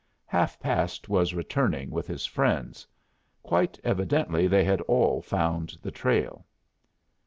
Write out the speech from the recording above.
Half past was returning with his friends. Quite evidently they had all found the trail.